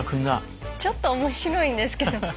ちょっと面白いんですけど。